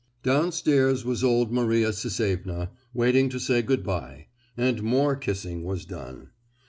Downstairs was old Maria Sisevna, waiting to say good bye; and more kissing was done.